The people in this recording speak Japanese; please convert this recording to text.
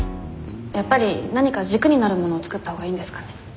やっぱり何か軸になるものを作ったほうがいいんですかね。